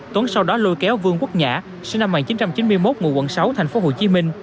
tuấn sau đó lôi kéo vương quốc nhã sinh năm một nghìn chín trăm chín mươi một ngụ quận sáu tp hcm